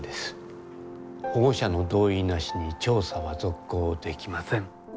保護者の同意なしに調査は続行できません。